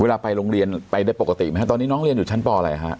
ไปโรงเรียนไปได้ปกติไหมฮะตอนนี้น้องเรียนอยู่ชั้นปอะไรฮะ